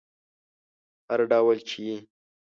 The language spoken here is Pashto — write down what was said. هر ډول چې یې